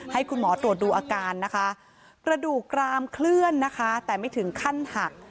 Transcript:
ให้คุณหมอตรวจดูอาการนะคะกระดูกกรามเคลื่อนนะคะแต่ไม่ถึงขั้นหัก